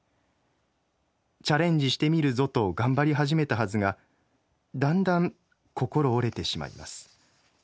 『チャレンジしてみるぞ！』と頑張り始めたはずがだんだん心折れてしまいます。